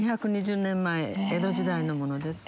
２２０年前江戸時代のものです。